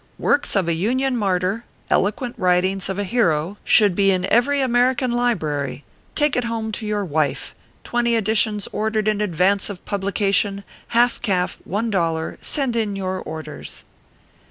.Works of a Union Martyr Eloquent Writings of a Hero Should be in every American Library Take it home to your wife Twenty editions ordered in advance of publica tion Half calf, $1. Send in your orders."